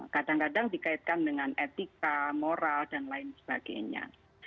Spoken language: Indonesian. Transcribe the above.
kadang kadang dikaitkan dengan etika moral dan lain sebagainya